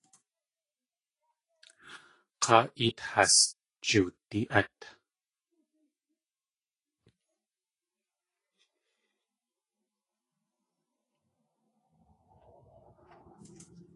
K̲aa éet has jiwdi.át.